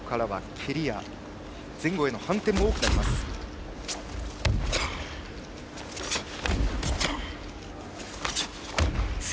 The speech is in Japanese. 蹴りや前後への反転も多くなります。